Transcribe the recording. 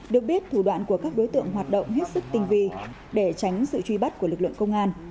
được biết thủ đoạn của các đối tượng hoạt động hết sức tinh vi để tránh sự truy bắt của lực lượng công an